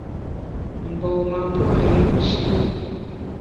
Mgbom-a pua’ yùmshi.